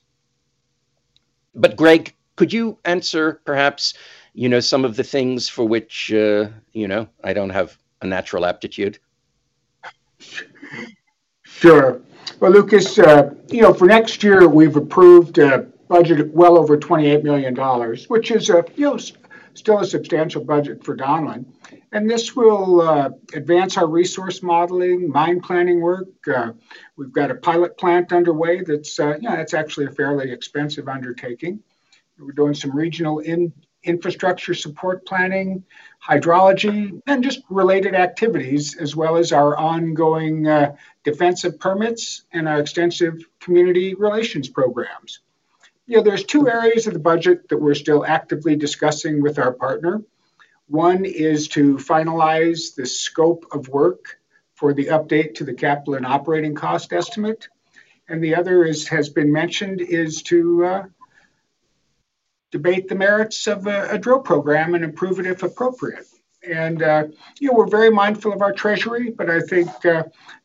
E: But Greg, could you answer perhaps, you know, some of the things for which, you know, I don't have a natural aptitude?
C: Sure. Well, Lucas, you know, for next year, we've approved a budget of well over $28 million, which is, you know. Still a substantial budget for Donlin, and this will advance our resource modeling, mine planning work. We've got a pilot plant underway that's actually a fairly expensive undertaking. We're doing some regional infrastructure support planning, hydrology, and just related activities, as well as our ongoing defensive permits and our extensive community relations programs. You know, there's two areas of the budget that we're still actively discussing with our partner. One is to finalize the scope of work for the update to the capital and operating cost estimate, and the other is, has been mentioned, is to debate the merits of a drill program and improve it, if appropriate. You know, we're very mindful of our treasury, but I think,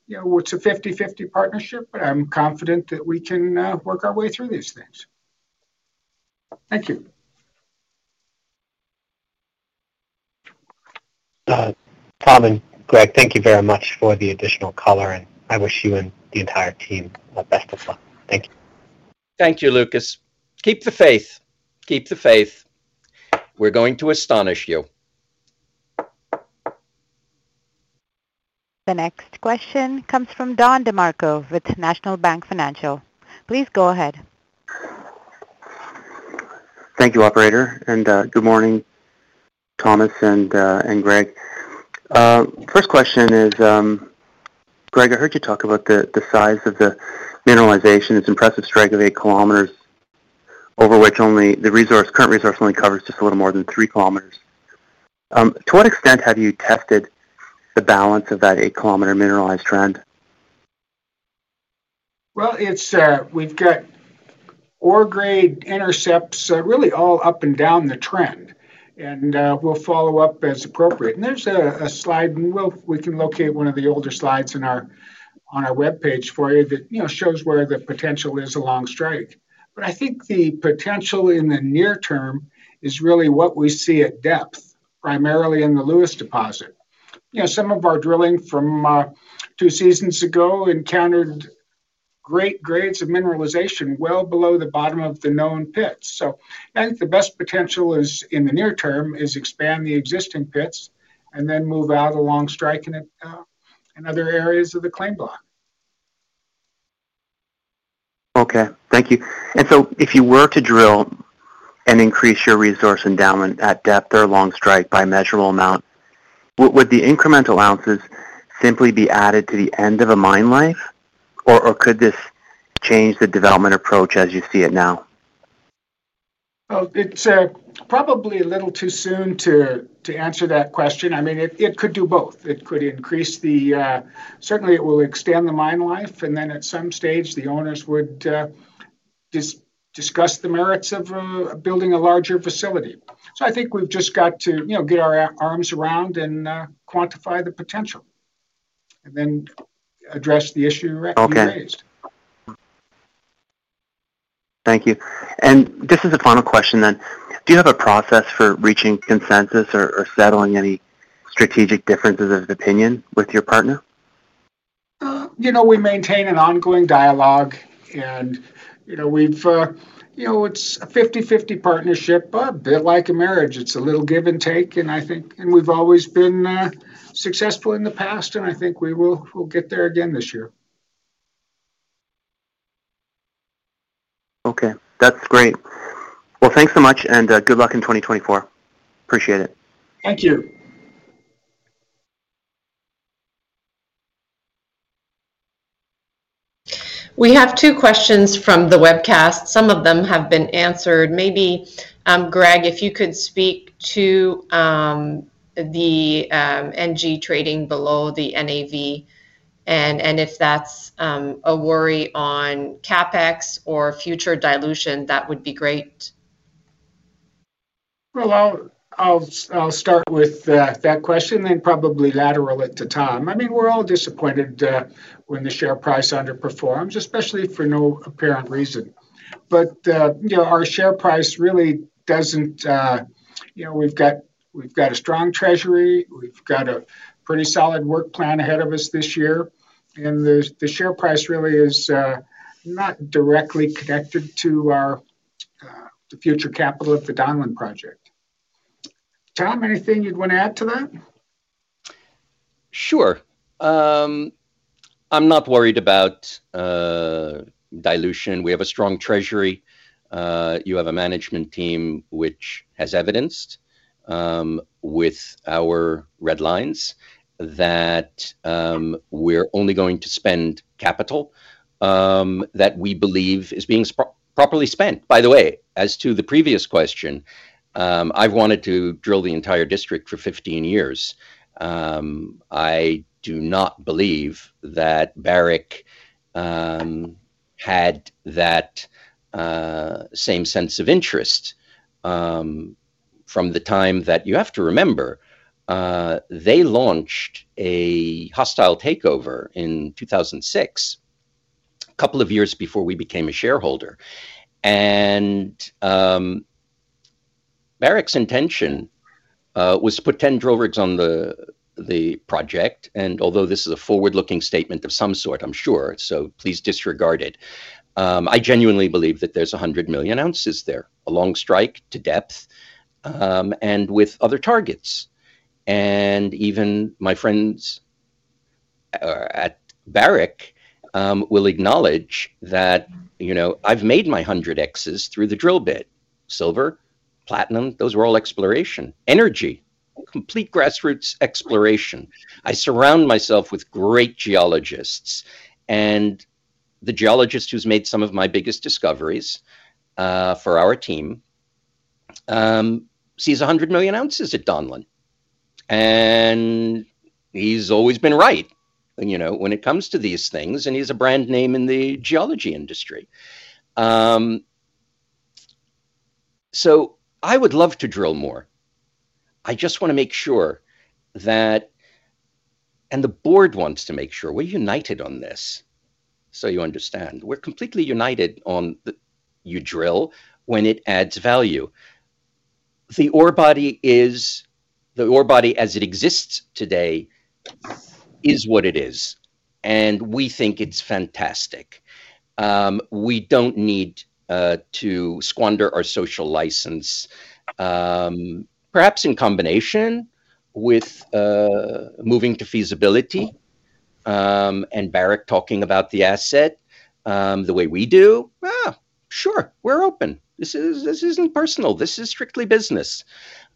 C: you know, it's a 50/50 partnership, but I'm confident that we can work our way through these things. Thank you.
F: Tom and Greg, thank you very much for the additional color, and I wish you and the entire team the best of luck. Thank you.
E: Thank you, Lucas. Keep the faith. Keep the faith. We're going to astonish you.
A: The next question comes from Don DeMarco with National Bank Financial. Please go ahead.
G: Thank you, operator, and good morning, Thomas and Greg. First question is, Greg, I heard you talk about the size of the mineralization. It's impressive strike of 8 km, over which only the current resource only covers just a little more than 3 km. To what extent have you tested the balance of that 8-kilometer mineralized trend?
C: Well, it's. We've got ore grade intercepts really all up and down the trend, and we'll follow up as appropriate. And there's a slide, and we can locate one of the older slides on our webpage for you that, you know, shows where the potential is along strike. But I think the potential in the near term is really what we see at depth, primarily in the Lewis deposit. You know, some of our drilling from two seasons ago encountered great grades of mineralization well below the bottom of the known pits, so I think the best potential is, in the near term, is expand the existing pits and then move out along strike and in other areas of the claim block.
G: Okay. Thank you. And so if you were to drill and increase your resource endowment at depth or along strike by a measurable amount, would the incremental ounces simply be added to the end of a mine life, or could this change the development approach as you see it now?
C: Well, it's probably a little too soon to answer that question. I mean, it could do both. It could increase the... Certainly, it will extend the mine life, and then at some stage, the owners would discuss the merits of building a larger facility. So I think we've just got to, you know, get our arms around and quantify the potential, and then address the issue you raised.
G: Okay. Thank you. This is the final question then. Do you have a process for reaching consensus or, or settling any strategic differences of opinion with your partner?
C: You know, we maintain an ongoing dialogue, and, you know, we've. You know, it's a 50/50 partnership, a bit like a marriage. It's a little give and take, and I think and we've always been successful in the past, and I think we will we'll get there again this year.
G: Okay, that's great. Well, thanks so much, and good luck in 2024. Appreciate it.
C: Thank you.
B: We have two questions from the webcast. Some of them have been answered. Maybe, Greg, if you could speak to the NG trading below the NAV, and if that's a worry on CapEx or future dilution, that would be great.
C: Well, I'll start with that question, then probably lateral it to Tom. I mean, we're all disappointed when the share price underperforms, especially for no apparent reason. But you know, our share price really doesn't... You know, we've got a strong treasury, we've got a pretty solid work plan ahead of us this year, and the share price really is not directly connected to our the future capital of the Donlin Project. Tom, anything you'd want to add to that?
E: Sure. I'm not worried about dilution. We have a strong treasury. You have a management team, which has evidenced with our red lines, that we're only going to spend capital that we believe is being properly spent. By the way, as to the previous question, I've wanted to drill the entire district for 15 years. I do not believe that Barrick had that same sense of interest from the time that... You have to remember, they launched a hostile takeover in 2006, a couple of years before we became a shareholder. And Barrick's intention was to put 10 drill rigs on the project, and although this is a forward-looking statement of some sort, I'm sure, so please disregard it. I genuinely believe that there's 100 million oz there, along strike to depth, and with other targets. And even my friends at Barrick will acknowledge that, you know, I've made my 100x's through the drill bit. Silver, platinum, those were all exploration. Energy, complete grassroots exploration. I surround myself with great geologists, and the geologist who's made some of my biggest discoveries for our team sees 100 million oz at Donlin. And he's always been right, and, you know, when it comes to these things, and he's a brand name in the geology industry. So I would love to drill more. I just wanna make sure that... And the Board wants to make sure, we're united on this, so you understand. We're completely united on the, you drill when it adds value. The ore body is, the ore body as it exists today is what it is, and we think it's fantastic. We don't need to squander our social license. Perhaps in combination with moving to feasibility, and Barrick talking about the asset the way we do, sure, we're open. This is, this isn't personal. This is strictly business.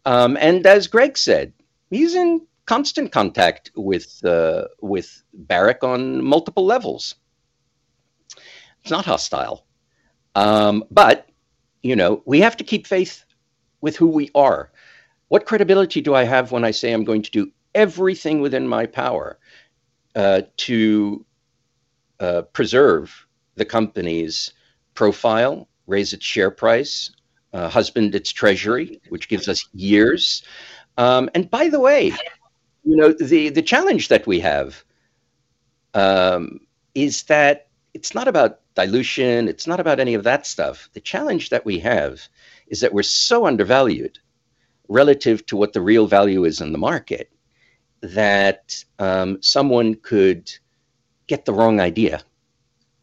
E: And as Greg said, he's in constant contact with Barrick on multiple levels. It's not hostile. But you know, we have to keep faith with who we are. What credibility do I have when I say I'm going to do everything within my power to preserve the company's profile, raise its share price, husband its treasury, which gives us years? And by the way, you know, the challenge that we have is that it's not about dilution, it's not about any of that stuff. The challenge that we have is that we're so undervalued relative to what the real value is in the market, that someone could get the wrong idea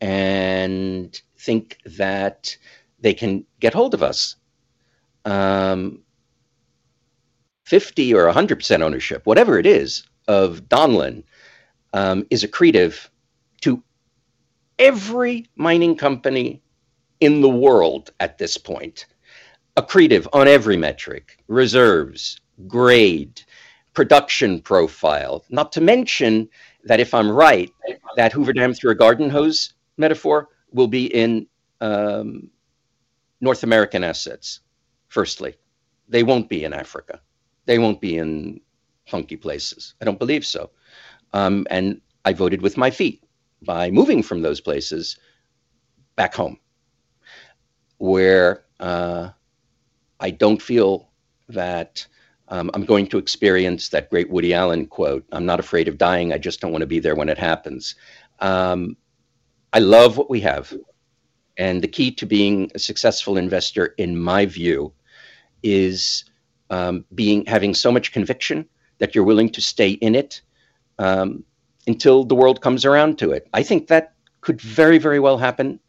E: and think that they can get hold of us. 50% or 100% ownership, whatever it is, of Donlin, is accretive to every mining company in the world at this point. Accretive on every metric, reserves, grade, production profile. Not to mention that if I'm right, that Hoover Dam through a garden hose metaphor will be in North American assets, firstly. They won't be in Africa. They won't be in funky places. I don't believe so. And I voted with my feet by moving from those places back home, where, I don't feel that, I'm going to experience that great Woody Allen quote, "I'm not afraid of dying, I just don't wanna be there when it happens." I love what we have, and the key to being a successful investor, in my view, is having so much conviction that you're willing to stay in it until the world comes around to it. I think that could very, very well happen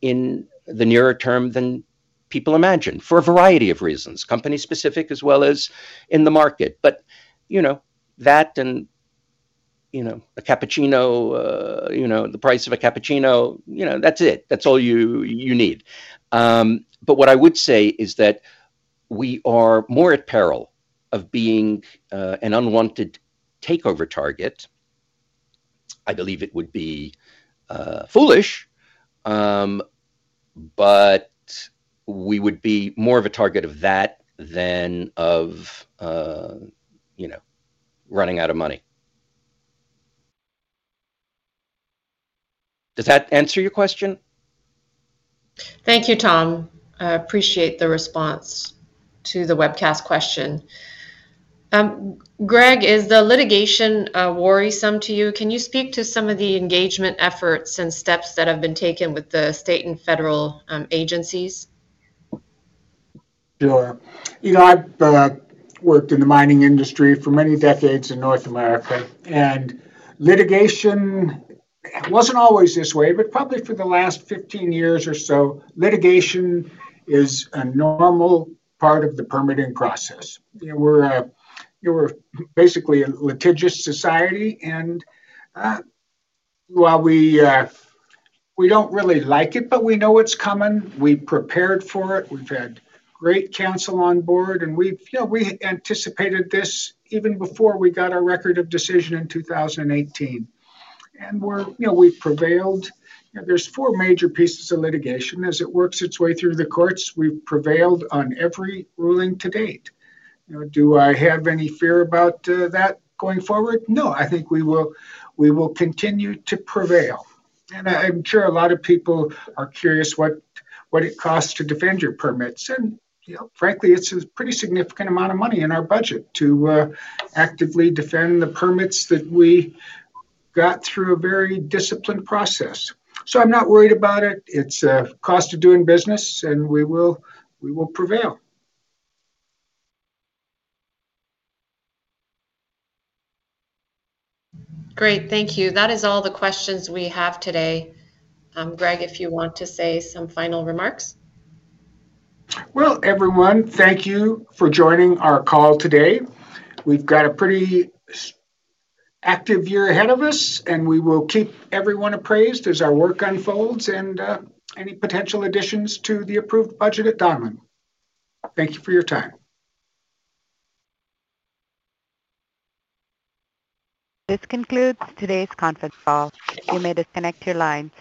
E: in the nearer term than people imagine, for a variety of reasons, company specific as well as in the market. But, you know, that and, you know, a cappuccino, you know, the price of a cappuccino, you know, that's it. That's all you need. But what I would say is that we are more at peril of being an unwanted takeover target. I believe it would be foolish, but we would be more of a target of that than of, you know, running out of money. Does that answer your question?
B: Thank you, Tom. I appreciate the response to the webcast question. Greg, is the litigation worrisome to you? Can you speak to some of the engagement efforts and steps that have been taken with the state and federal agencies?
C: Sure. You know, I've worked in the mining industry for many decades in North America, and litigation, it wasn't always this way, but probably for the last 15 years or so, litigation is a normal part of the permitting process. We're a, we're basically a litigious society, and, while we, we don't really like it, but we know it's coming. We've prepared for it. We've had great counsel on board, and we've... You know, we anticipated this even before we got our Record of Decision in 2018. We're- you know, we've prevailed. You know, there's four major pieces of litigation as it works its way through the courts, we've prevailed on every ruling to date. You know, do I have any fear about that going forward? No, I think we will, we will continue to prevail. And I, I'm sure a lot of people are curious what, what it costs to defend your permits. And, you know, frankly, it's a pretty significant amount of money in our budget to, actively defend the permits that we got through a very disciplined process. So I'm not worried about it. It's a cost of doing business, and we will, we will prevail.
B: Great, thank you. That is all the questions we have today. Greg, if you want to say some final remarks.
C: Well, everyone, thank you for joining our call today. We've got a pretty active year ahead of us, and we will keep everyone appraised as our work unfolds and any potential additions to the approved budget at Donlin. Thank you for your time.
A: This concludes today's conference call. You may disconnect your line.